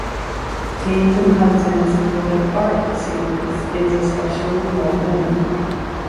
Thames and Hudson's "World of Art" series is especially well-known.